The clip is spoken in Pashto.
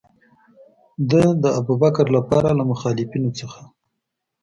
ده د ابوبکر لپاره له مخالفینو نه.